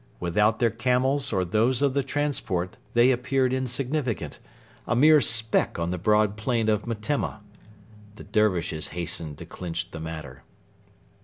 Without their camels or those of the transport they appeared insignificant, a mere speck on the broad plain of Metemma. The Dervishes hastened to clinch the matter.